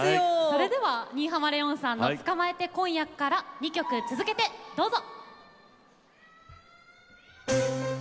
それでは新浜レオンさんの「捕まえて、今夜。」から２曲続けてどうぞ。